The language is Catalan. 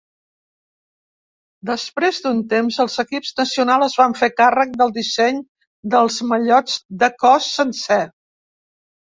Després d'un temps, els equips nacionals es van fer càrrec del disseny dels mallots de cos sencer.